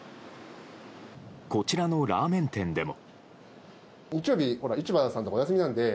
こちらのラーメン店でも。